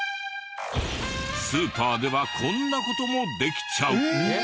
スーパーではこんな事もできちゃう！